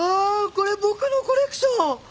これ僕のコレクション！